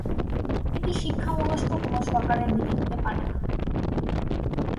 এটি শিক্ষামনস্ক কোনো সরকারের নীতি হতে পারে না।